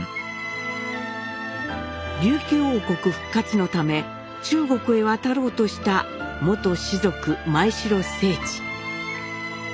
琉球王国復活のため中国へ渡ろうとした元士族前城正知。